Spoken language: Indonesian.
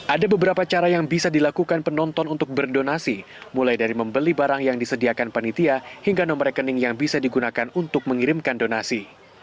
ada beberapa cara yang bisa dilakukan penonton untuk berdonasi mulai dari membeli barang yang disediakan panitia hingga nomor rekening yang bisa digunakan untuk mengirimkan donasi